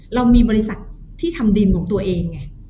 เรามีบริษัทที่ทำดินของตัวเองไง